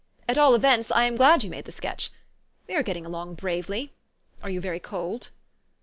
"At all events, I am glad you made the sketch. We are getting along bravely. Are you very cold?